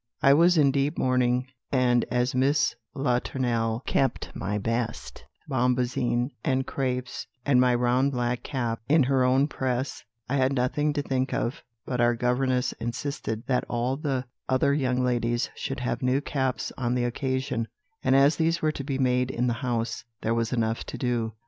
I was in deep mourning; and as Miss Latournelle kept my best bombazine, and crapes, and my round black cap, in her own press, I had nothing to think of; but our governess insisted that all the other young ladies should have new caps on the occasion; and as these were to be made in the house, there was enough to do.